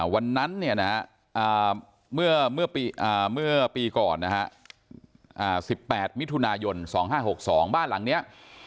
วันนั้นเนี่ยนะเมื่อปีก่อนนะฮะ๑๘มิถุนายน๒๕๖๒บ้านหลังนี้